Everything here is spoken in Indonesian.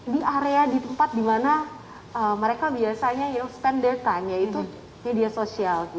di area di tempat di mana mereka biasanya yang spend the time yaitu media sosial